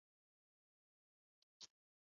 我们赶快冲去买吃的